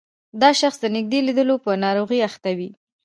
دا شخص د نږدې لیدلو په ناروغۍ اخته وي.